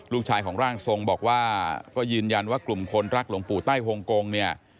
ลูกชายของร่างทรงบอกว่าก็ยืนยันว่ากลุ่มคนรักหลวงปู่ใต้ฮงกงเนี่ย